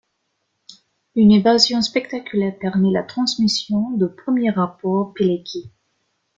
Une évasion spectaculaire permit la transmission du premier rapport Pilecki.